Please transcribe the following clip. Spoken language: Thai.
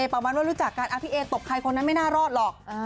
ประมาณว่ารู้จักกันพี่เอตบใครคนนั้นไม่น่ารอดหรอก